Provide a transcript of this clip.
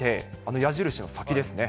矢印の先ですね。